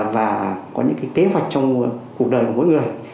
và có những kế hoạch trong cuộc đời của mỗi người